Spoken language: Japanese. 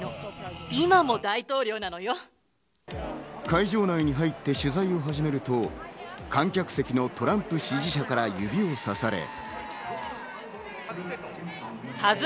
会場内に入って取材を始めると、観客席のトランプ支持者から指をさされ。